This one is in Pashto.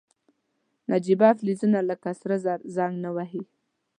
نجیبه فلزونه لکه سره زر زنګ نه وهي.